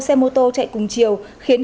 xe mô tô chạy cùng chiều khiến